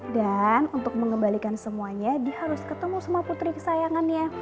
dan untuk mengembalikan semuanya dia harus ketemu sama putri kesayangannya